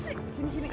sisi lu teman